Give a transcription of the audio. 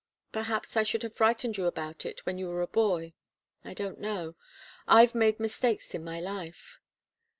Perhaps I should have frightened you about it when you were a boy. I don't know. I've made mistakes in my life."